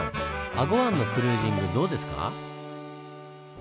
英虞湾のクルージングどうですか？